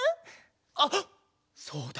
あっそうだ！